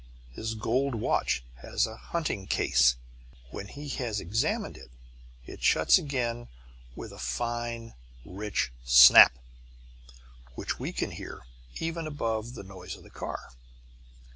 His gold watch has a hunting case; when he has examined it, it shuts again with a fine rich snap, which we can hear even above the noise of the car.